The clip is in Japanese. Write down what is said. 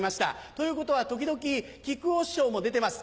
ということは時々木久扇師匠も出てます。